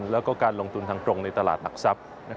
แล้วก็การลงทุนทางตรงในตลาดหลักทรัพย์